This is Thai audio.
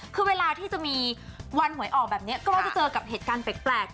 คือเวลาที่จะมีวันหวยออกแบบนี้ก็จะเจอกับเหตุการณ์แปลก